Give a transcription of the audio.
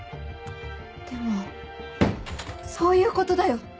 でもそういうことだよ！